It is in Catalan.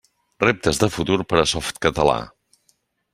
Reptes de futur per a Softcatalà.